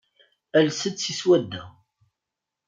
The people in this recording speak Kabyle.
Ales-d seg swadda.